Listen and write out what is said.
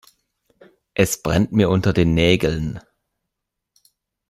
Es brennt mir unter den Nägeln.